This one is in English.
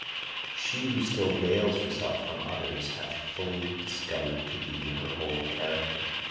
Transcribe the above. She who still veils herself from others hath fully discovered to thee her whole character.